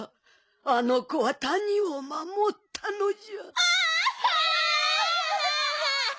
あの子は谷を守ったのじゃ。